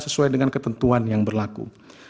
sesuai dengan ketentuan yang berlaku